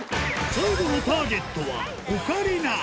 最後のターゲットはオカリナ。